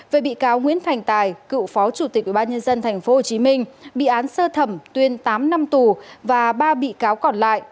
về bị cáo nguyễn thành tài cựu phó chủ tịch ubnd tp hcm bị án sơ thẩm tuyên tám năm tù và ba bị cáo còn lại